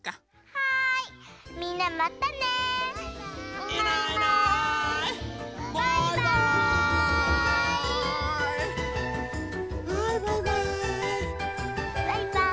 はいバイバイ。